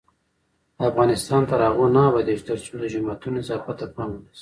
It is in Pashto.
افغانستان تر هغو نه ابادیږي، ترڅو د جوماتونو نظافت ته پام ونشي.